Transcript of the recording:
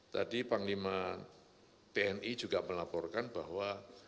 tadi panglima tni juga melaporkan bahwa